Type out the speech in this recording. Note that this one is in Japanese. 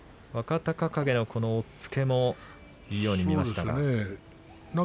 若隆景のこの押っつけもいいように見えましたが。